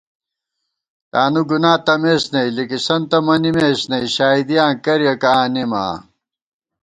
تانُو گُنا تمېس نئ، لِکِسنتہ منِمېس نئ، شائیدیاں کریَکہ آنېمہ آں